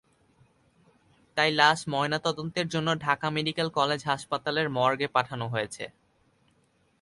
তাই লাশ ময়নাতদন্তের জন্য ঢাকা মেডিকেল কলেজ হাসপাতালের মর্গে পাঠানো হয়েছে।